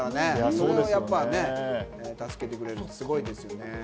それを助けてくれるって、すごいですね。